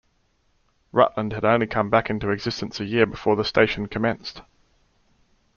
Rutland had only come back into existence a year before the station commenced.